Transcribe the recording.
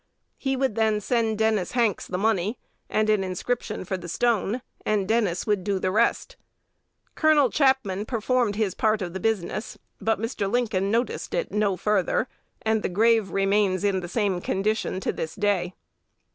He would then send Dennis Hanks the money, and an inscription for the stone; and Dennis would do the rest. (Col. Chapman performed his part of the business, but Mr. Lincoln noticed it no further; and the grave remains in the same condition to this day.)